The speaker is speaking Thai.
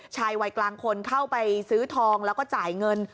ชายวัยกลางคนเข้าไปซื้อทองแล้วก็จ่ายเงิน